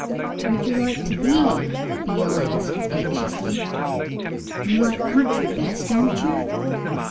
"Where'd you like to be?" Beale asked anxiously. "You like country best, don't yer?"